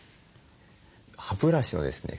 歯ブラシのですね